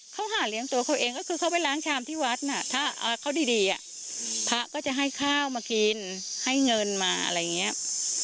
เขาหาเลี้ยงตัวเขาเองก็คือเข้าไปล้างชามที่วัดนะถ้าเขาดีอะ